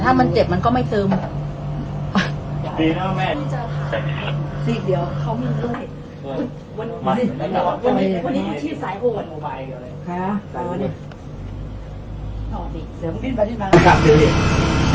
เอาเลยเอาเลยเอาเลยเอาเลยเอาเลยเอาเลยเอาเลยเอาเลยเอาเลย